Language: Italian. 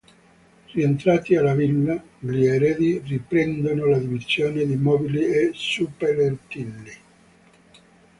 Rientrati alla villa, gli eredi riprendono la divisione di mobili e suppellettili.